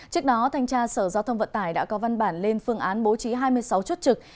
trước đó thanh tra sở giao thông vận tải đã có văn bản lên phương án bố trí hai mươi sáu chốt trực